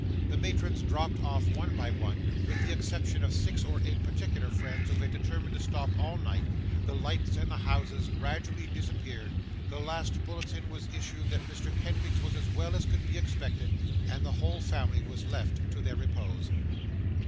The matrons dropped off one by one, with the exception of six or eight particular friends, who had determined to stop all night; the lights in the houses gradually disappeared; the last bulletin was issued that Mrs. Kenwigs was as well as could be expected; and the whole family were left to their repose.